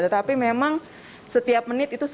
tapi memang setiap menit itu selalu